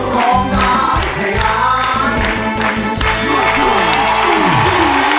ร้องได้ครับ